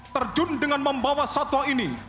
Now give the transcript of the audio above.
terjun dengan membawa satwa ini